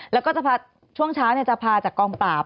แล้วก็จะพาช่วงเช้าจะพาจากกองปราบ